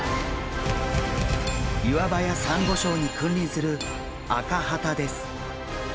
岩場やサンゴ礁に君臨するアカハタです。